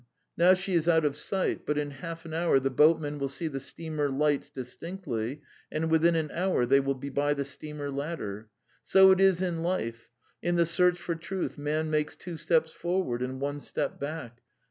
Now she is out of sight, but in half an hour the boatmen will see the steamer lights distinctly, and within an hour they will be by the steamer ladder. So it is in life. ... In the search for truth man makes two steps forward and one step back.